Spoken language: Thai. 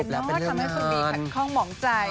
แบบเคยเรื่องความรักเลยไม่ใช่